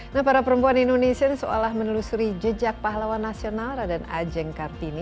nah para perempuan indonesia ini seolah menelusuri jejak pahlawan nasional raden ajeng kartini